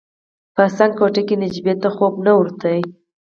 په څنګ کوټې کې نجيبې ته خوب نه ورته.